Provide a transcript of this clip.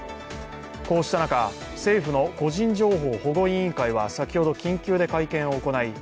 こうした中、政府の個人情報保護委員会は先ほど緊急で会見を行い